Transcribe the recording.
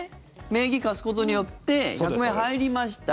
名義貸すことによって１００万円入りました。